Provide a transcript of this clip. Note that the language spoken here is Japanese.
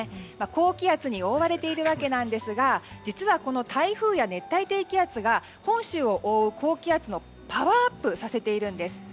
高気圧に覆われているわけなんですが実はこの台風や熱帯低気圧が本州を覆う高気圧をパワーアップさせているんです。